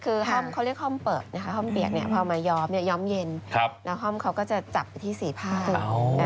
คือเขาเรียกห้อมเปลือกนะคะห้อมเปียกพอมายอมเย็นแล้วห้อมเขาก็จะจับที่สีผ้า